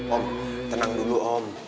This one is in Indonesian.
om tenang dulu om